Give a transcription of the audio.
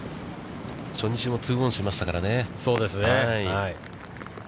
初日もツーオンしましたからね。